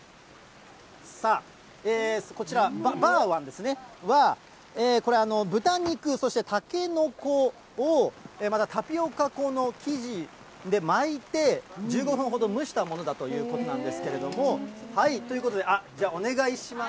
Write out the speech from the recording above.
さあ、こちら、バーワンですね、は、これ、豚肉、そしてタケノコをまたタピオカ粉の生地で巻いて、１５分ほど蒸したものなんだということなんですけれども、ということで、あっ、じゃあお願いします。